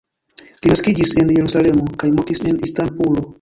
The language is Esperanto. Li naskiĝis en Jerusalemo kaj mortis en Istanbulo.